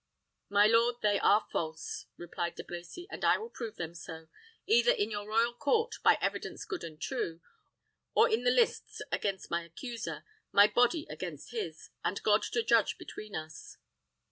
"My lord, they are false," replied De Brecy; "and I will prove them so, either in your royal court, by evidence good and true, or in the lists against my accuser, my body against his, and God to judge between us."